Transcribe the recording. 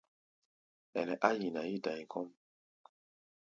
Ɛnɛ á nyina yí-da̧i kɔ́ʼm.